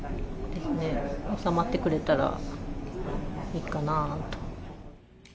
収まってくれたらいいかなと。